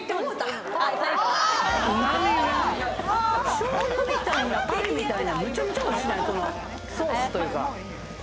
醤油みたいなタレみたいなソースというか。